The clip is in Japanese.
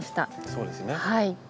そうですね。